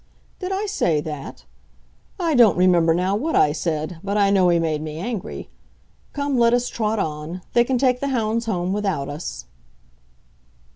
"Did I say that? I don't remember now what I said, but I know he made me angry. Come, let us trot on. They can take the hounds home without us."